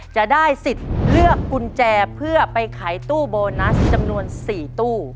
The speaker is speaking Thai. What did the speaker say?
จะได้สิทธิ์เลือกกุญแจเพื่อไปขายตู้โบนัสจำนวน๔ตู้